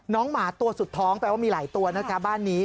หมาตัวสุดท้องแปลว่ามีหลายตัวนะคะบ้านนี้